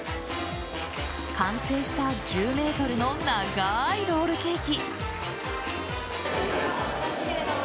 完成した１０ｍの長いロールケーキ。